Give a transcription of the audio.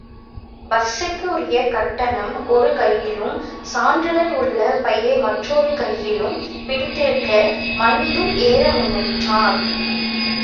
பஸ்ஸுக்குரிய கட்டணம் ஒரு கையிலும், சான்றிதழ் உள்ள பையை மற்றொரு கையிலும் பிடித்திருக்க, மணியும் ஏற முயன்றான்.